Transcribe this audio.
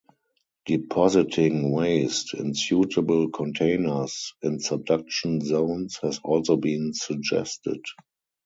Depositing waste, in suitable containers, in subduction zones has also been suggested.